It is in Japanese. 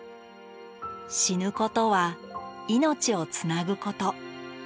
死ぬことは命をつなぐこと。